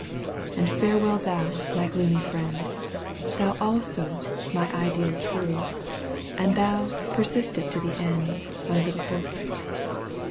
And farewell thou, my gloomy friend, Thou also, my ideal true, And^hou, persistent to the end. My little book.